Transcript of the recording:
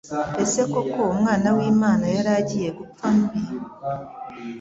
Ese koko Umwana w'Imana yari agiye gupfa mbi ?